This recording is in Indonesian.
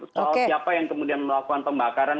soal siapa yang kemudian melakukan pembakaran